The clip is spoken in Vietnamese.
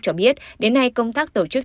cho biết đến nay công tác tổ chức